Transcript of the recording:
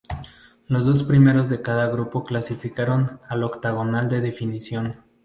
Los dos primeros de cada grupo clasificaron al octogonal de definición.